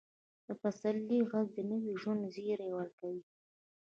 د پسرلي ږغ د نوي ژوند زیری ورکوي.